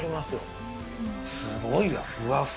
すごいわ。